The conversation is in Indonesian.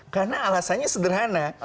karena alasannya sederhana